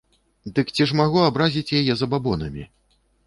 Дык ці ж магу абразіць яе забабонамі?